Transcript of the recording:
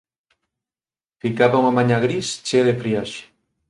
Ficaba unha mañá gris, chea de friaxe